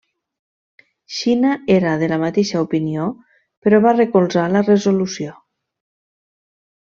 Xina era de la mateixa opinió, però va recolzar la resolució.